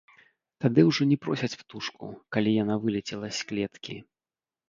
Тады ўжо не просяць птушку, калі яна вылецела з клеткі.